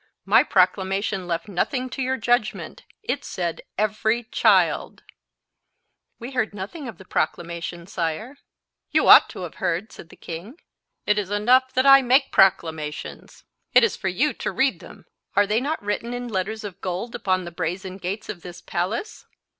My proclamation left nothing to your judgment. It said every child." "We heard nothing of the proclamation, sire." "You ought to have heard," said the king. "It is enough that I make proclamations; it is for you to read them. Are they not written in letters of gold upon the brazen gates of this palace?"